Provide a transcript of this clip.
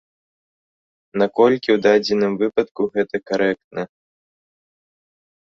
Наколькі ў дадзеным выпадку гэта карэктна?